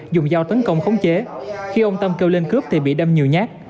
dùng dao tấn công khống chế khi ông tâm kêu lên cướp thì bị đâm nhiều nhát